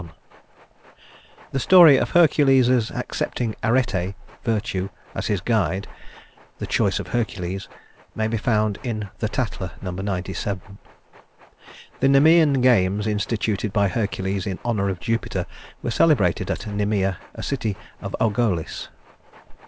LI The story of Hercules's accepting Arete (Virtue) as his guide the "Choice of Hercules" may be found in The Tatler, No. 97. The Nemean games instituted by Hercules in honor of Jupiter were celebrated at Nemea, a city of Argolis.